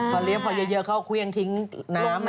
พอเลี้ยงพอเยอะเขาเครื่องทิ้งน้ำ